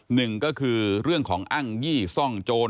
หนึ่งก็คือเรื่องของอ้างยี่ซ่องโจร